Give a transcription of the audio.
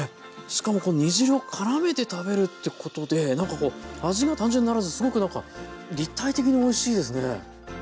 しかも煮汁を絡めて食べるってことでなんかこう味が単純にならずすごくなんか立体的においしいですね。